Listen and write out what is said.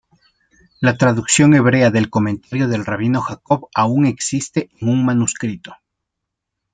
La traducción hebrea del comentario del Rabino Jacob aun existe en un manuscrito.